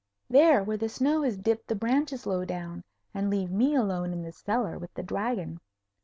"There where the snow has dipped the branches low down. And leave me alone in the cellar with the Dragon."